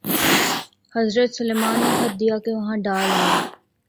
حضرت سلیمان نے خط دیا کہ وہاں ڈال آئے۔